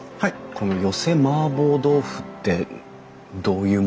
この寄せ麻婆豆腐ってどういうものですかね？